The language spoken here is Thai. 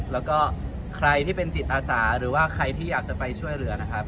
แล้วก็ใครที่เป็นจิตอาสาหรือว่าใครที่อยากจะไปช่วยเหลือนะครับ